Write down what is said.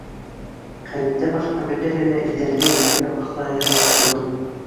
Хәмиттән башҡа бөтәһе лә иҙәндә имгәкләп аҡса йыйырға тотона.